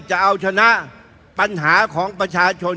จะเอาชนะปัญหาของประชาชน